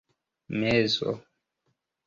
mezo